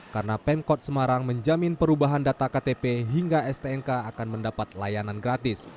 karena pemkot semarang menjamin perubahan data ktp hingga stnk akan mendapat layanan gratis